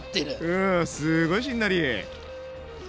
うんすごいしんなり！